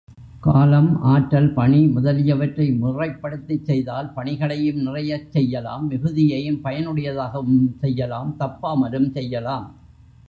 காலம், ஆற்றல், பணி முதலியவற்றை முறைப்படுத்திச் செய்தால், பணிகளையும் நிறைய செய்யலாம் மிகுதியும் பயனுடையதாகவும் செய்யலாம் தப்பாமலும் செய்யலாம்.